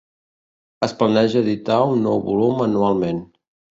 Es planeja editar un nou volum anualment.